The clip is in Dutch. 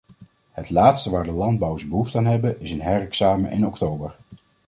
Het laatste waar de landbouwers behoefte aan hebben is een herexamen in oktober.